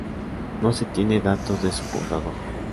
No se tiene datos de su fundador.